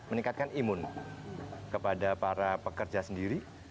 meningkatkan imun kepada para pekerja sendiri